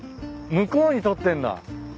向こうに撮ってんだ。